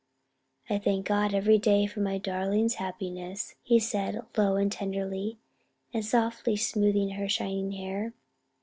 "I thank God every day for my darling's happiness," he said low and tenderly, and softly smoothing her shining hair.